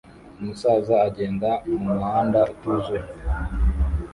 umusaza agenda mumuhanda utuzuye